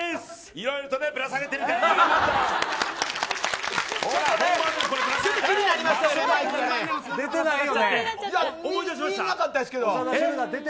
いろいろとぶら下げてるけど。